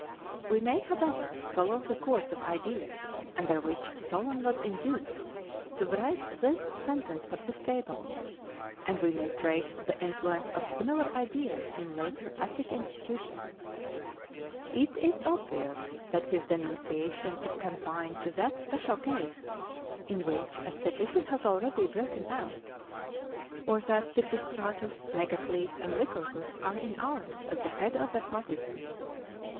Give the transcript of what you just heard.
We may, however, follow the course of ideas under which Solon was induced to write this sentence on his tables, and we may trace the influence of similar ideas in later Attic institutions. It is obvious that his denunciation is confined to that special case in which a sedition has already broken out: we must suppose that Cylon has seized the Acropolis, or that Pisistratus, Megacles, and Lycurgus are in arms at the head of their partisans.